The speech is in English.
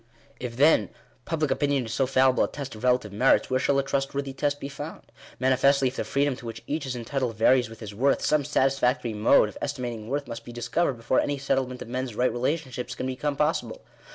If, then, public opinion is so fallible a test of relative merits, where shall a trustworthy test be found ? Manifestly, if the freedom to which each is entitled varies with his worth, some satisfactory mode of estimating worth must be discovered before any settlement of men's right relationships can become possible.